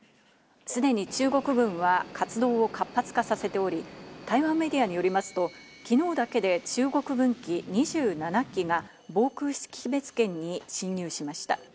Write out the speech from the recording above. すでに中国軍は活動を活発化させており、台湾メディアによりますと昨日だけで中国軍機２７機が防空識別圏に進入しました。